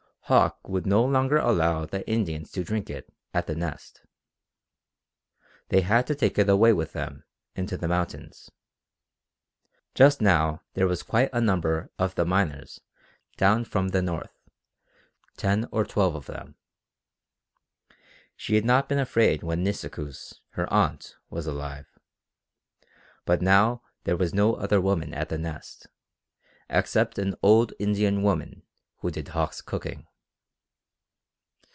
Hauck would no longer allow the Indians to drink it at the Nest. They had to take it away with them into the mountains. Just now there was quite a number of the "miners" down from the north, ten or twelve of them. She had not been afraid when Nisikoos, her aunt, was alive. But now there was no other woman at the Nest, except an old Indian woman who did Hauck's cooking.